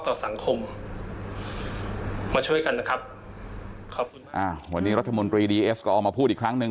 วันนี้รัฐมนตรีดีเอสก็ออกมาพูดอีกครั้งนึง